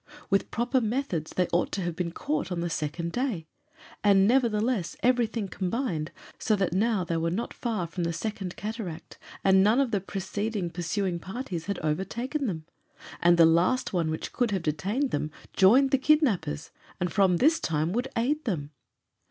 With proper methods they ought to have been caught on the second day, and nevertheless everything combined so that now they were not far from the Second Cataract and none of the preceding pursuing parties had overtaken them, and the last one which could have detained them joined the kidnappers and, from this time, would aid them.